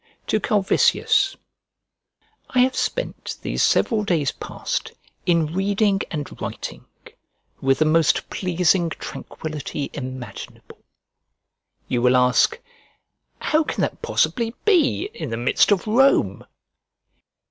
XCVII To CALVISIUS I HAVE spent these several days past, in reading and writing, with the most pleasing tranquillity imaginable. You will ask, "How that can possibly be in the midst of Rome?"